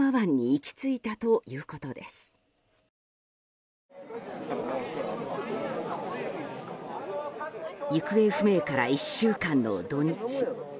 行方不明から１週間の土日。